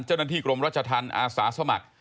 เจ้าหน้าที่กรมรัชธรรมอาสาสมัคร